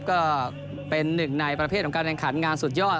ก็เป็นหนึ่งในประเภทของการแข่งขันงานสุดยอด